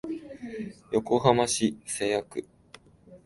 横浜市瀬谷区